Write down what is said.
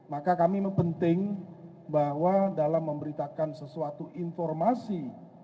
maka kami penting bahwa dalam memberitakan sesuatu informasi